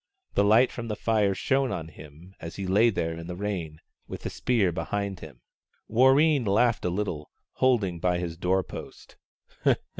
The light from the fire shone on him as he lay there in the rain, with the spear behind him. Wan een laughed a Httle, holding by his door post.